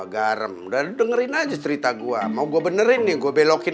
ngarep bereden gerin aja cerita gua mau gua benerin deh gua belokin